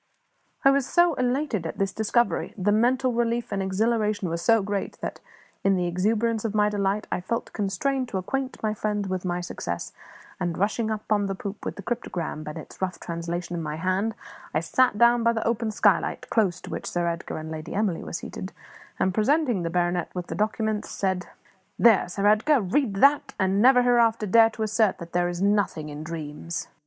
I was so elated at this discovery, the mental relief and exhilaration were so great that, in the exuberance of my delight, I felt constrained to acquaint my friends with my success; and rushing up on the poop with the cryptogram and its rough translation in my hand, I sat down by the open skylight, close to which Sir Edgar and Lady Emily were seated, and presenting the baronet with the documents, said "There, Sir Edgar, read that; and never hereafter dare to assert that there is nothing in dreams!"